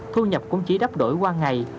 thu nhập cũng chỉ đắp đổi qua ngày